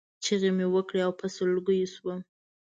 چغې مې وکړې او په سلګیو شوم.